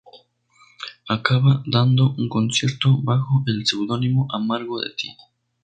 Acaba dando un concierto bajo el pseudónimo "Amargo de ti".